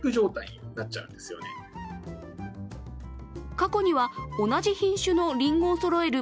過去には同じ品種のりんごをそろえる